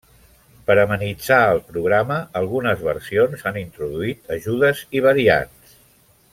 Per amenitzar el programa, algunes versions han introduït ajudes i variants.